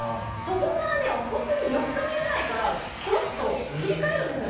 そこからねほんとに４日目ぐらいからケロッと切り替えるんですよね。